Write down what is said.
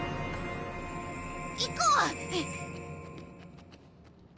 行こう。